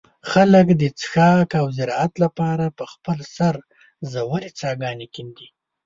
خلک د څښاک او زراعت له پاره په خپل سر ژوې څاګانې کندي.